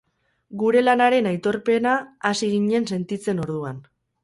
Gure lanaren aitorpena hasi ginen sentitzen orduan.